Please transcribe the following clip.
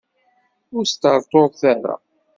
Ur sṭerṭuret ara.